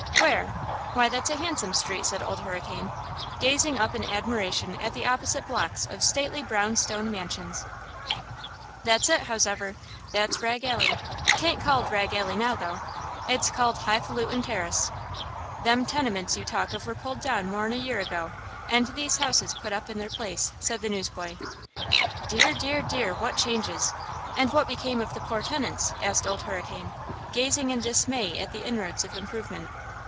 Where? Why that's a handsome street!" said Old Hurricane, gazing up in admiration at the opposite blocks of stately brown stone mansions. "That's it, hows'ever! That's Rag Alley. 'Taint called Rag Alley now, though! It's called Hifalutin Terrace! Them tenements you talk of were pulled down more'n a year ago and these houses put up in their place," said the newsboy. "Dear! dear! dear! what changes! And what became of the poor tenants?" asked Old Hurricane, gazing in dismay at the inroads of improvement.